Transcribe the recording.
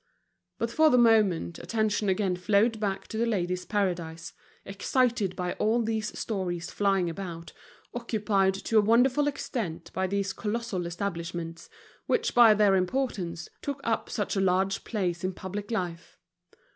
But for the moment attention again flowed back to The Ladies' Paradise, excited by all these stories flying about, occupied to a wonderful extent by these colossal establishments, which by their importance took up such a large place in public life.